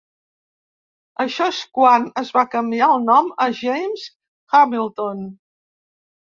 Això és quan es va canviar el nom a James Hamilton.